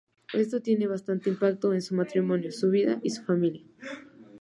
Esto tiene bastante impacto en su matrimonio, su vida y su familia.